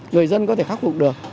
người dân có thể khắc phục được